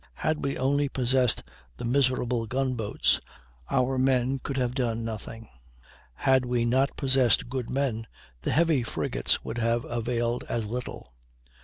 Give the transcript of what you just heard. Had we only possessed the miserable gun boats, our men could have done nothing; had we not possessed good men, the heavy frigates would have availed as little.